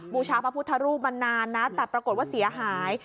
บูชาพระพุทธรูปมานานนะแต่ปรากฏว่าเสียหาย